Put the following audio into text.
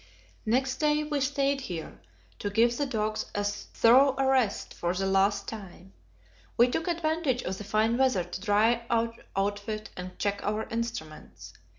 Next day we stayed here to give the dogs a thorough rest for the last time. We took advantage of the fine weather to dry our outfit and check our instruments.